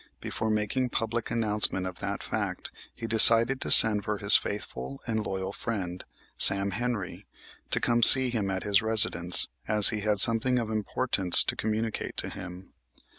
Before making public announcement of that fact he decided to send for his faithful and loyal friend, Sam Henry, to come to see him at his residence, as he had something of importance to communicate to him.